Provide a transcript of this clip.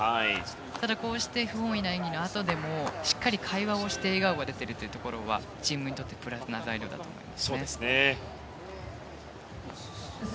ただ、不本意な演技のあとでもしっかり会話をして笑顔が出ているというところはチームにとってプラス材料だと思います。